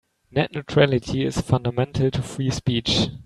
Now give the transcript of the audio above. Net neutrality is fundamental to free speech.